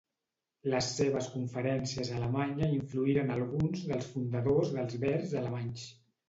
Les seves conferències a Alemanya influïren alguns dels fundadors dels Verds alemanys.